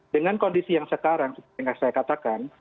dengan kondisi yang sekarang seperti yang saya katakan